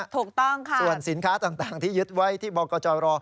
ถูกต้องค่ะส่วนสินค้าต่างที่ยึดไว้ที่บกจร